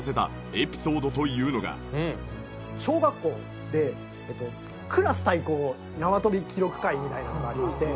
小学校でクラス対抗縄跳び記録会みたいなのがありまして。